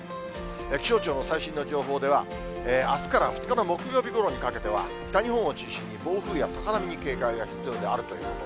気象庁の最新の情報では、あすから２日の木曜日ごろにかけては、北日本を中心に暴風や高波に警戒が必要であるということ。